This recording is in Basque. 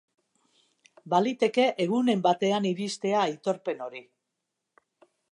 Baliteke egunen batean iristea aitorpen hori.